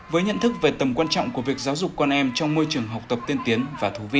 với nhận thức về tầm quan trọng của việc giáo dục con em trong môi trường học tập tiên tiến và thú vị